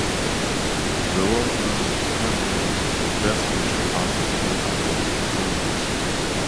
The role earned Klemperer a Best Featured Actor Tony Award nomination.